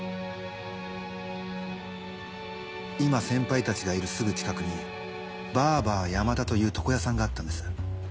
今先輩たちがいるすぐ近くに「バーバー山田」という床屋さんがあったんです。